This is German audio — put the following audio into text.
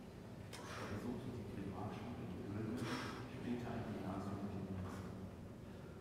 Er besuchte die Primarschule in Dülmen, später ein Gymnasium in Münster.